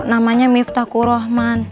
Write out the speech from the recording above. namanya miftahku rohman